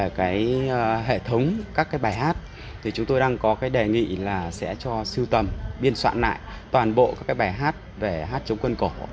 về cái hệ thống các cái bài hát thì chúng tôi đang có cái đề nghị là sẽ cho siêu tầm biên soạn lại toàn bộ các cái bài hát về hát chống quân cổ